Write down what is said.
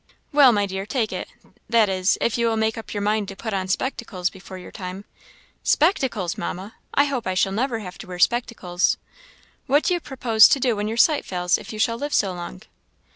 "Well, my dear, take it that is, if you will make up your mind to put on spectacles before your time." "Spectacles, Mamma! I hope I shall never have to wear spectacles." "What do you propose to do when your sight fails, if you shall live so long?"